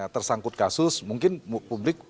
tersangkut kasus mungkin publik